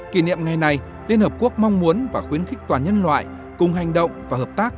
kỷ niệm ngày này liên hợp quốc mong muốn và khuyến khích toàn nhân loại cùng hành động và hợp tác